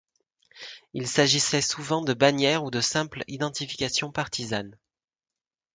Il s'agissait souvent de bannière ou de simple identification partisane.